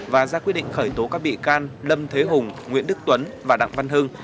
và ra quyết định khởi tố các bị can lâm thế hùng nguyễn đức tuấn và đặng văn hưng